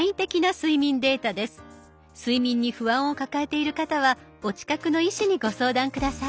睡眠に不安を抱えている方はお近くの医師にご相談下さい。